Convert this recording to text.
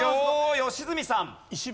良純さん。